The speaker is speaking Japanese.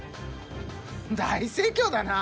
大盛況だな！